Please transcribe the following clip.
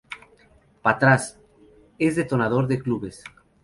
Pa' Tras, es un detonador de clubes.